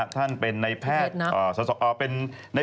ท่านเป็นนายแพทย์สะสอจอ